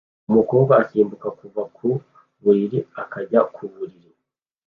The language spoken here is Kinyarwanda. Umukobwa asimbuka kuva ku buriri akajya ku buriri